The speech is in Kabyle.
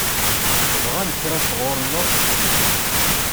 Bɣan kra sɣur-neɣ?